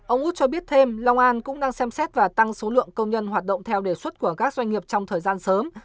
ông út cho biết thêm long an cũng đang xem xét và tăng số lượng công nhân hoạt động theo đề xuất của các doanh nghiệp trong thời gian sớm